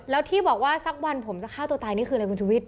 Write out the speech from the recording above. แล้วที่บอกว่าสักวันผมจะฆ่าตัวตายนี่คืออะไรคุณชุวิต